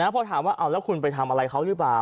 พอถามว่างั้นคุณไปทำอะไรเค้าหรือเปล่า